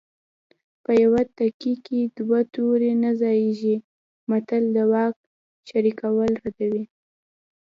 په یوه تیکي کې دوه تورې نه ځاییږي متل د واک شریکول ردوي